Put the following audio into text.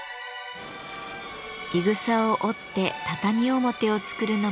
いぐさを織って畳表を作るのも早川さん